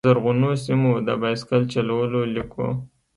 زرغونو سیمو، د بایسکل چلولو لیکو